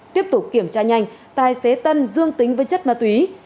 tiếp tục kiểm tra nhanh tài xế tân dương tính với chất ma túy